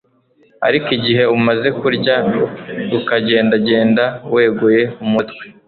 ariko igihe umaze kurya, ukagendagenda, weguye umutwe